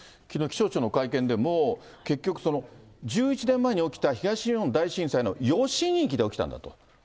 きのう、気象庁の会見でも、結局、１１年前に起きた東日本大震災の余震域で起きたんだと。